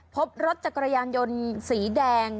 พบรถจักรยานยนต์สีแดง